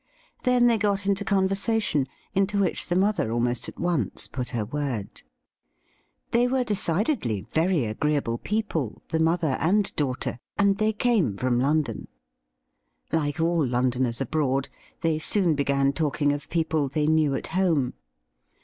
Then they got into conversation, into which the mother almost at once put her word. They were decidedly very agreeable people, the mother and daughter, and they came from London. Like all Londoners abroad, they soon began talking of people they knew at home.